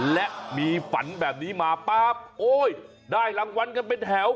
และมีฝันแบบนี้มาปั๊บโอ๊ยได้รางวัลกันเป็นแถว